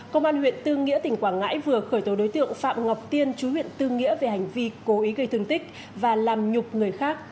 công an huyện tư nghĩa tỉnh quảng ngãi vừa khởi tố đối tượng phạm ngọc tiên chú huyện tư nghĩa về hành vi cố ý gây thương tích và làm nhục người khác